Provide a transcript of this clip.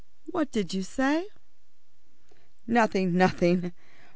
What did you say?" "Nothing, nothing.